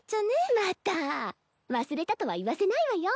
また忘れたとは言わせないわよ。